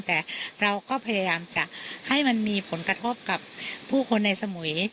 แต่เราก็พยายามจะให้มันมีผลกระทบกับผู้คนในสมุย